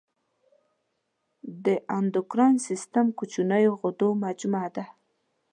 د اندوکراین سیستم کوچنیو غدو مجموعه ده.